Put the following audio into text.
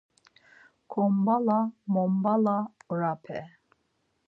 Kombala mombala orape!